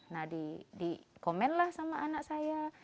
nah di komen lah sama anak saya